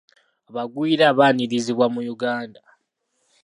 Abagwira baanirizibwa mu Uganda.